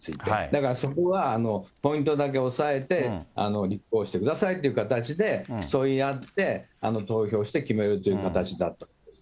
だからそこはポイントだけ押さえて、立候補してくださいという形で競い合って、投票をして決めるという形だったんです。